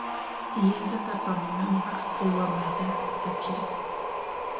Yantata apamunanpaq chay wamrata katray.